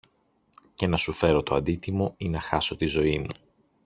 και να σου φέρω το αντίτιμο ή να χάσω τη ζωή μου